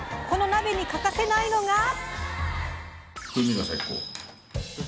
この鍋に欠かせないのが。